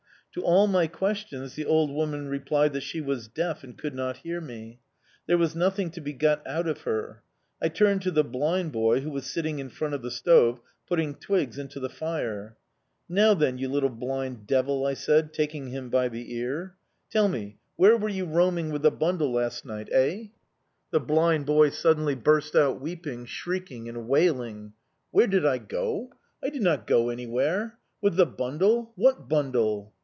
To all my questions the old woman replied that she was deaf and could not hear me. There was nothing to be got out of her. I turned to the blind boy who was sitting in front of the stove, putting twigs into the fire. "Now, then, you little blind devil," I said, taking him by the ear. "Tell me, where were you roaming with the bundle last night, eh?" The blind boy suddenly burst out weeping, shrieking and wailing. "Where did I go? I did not go anywhere... With the bundle?... What bundle?"